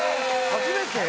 初めて？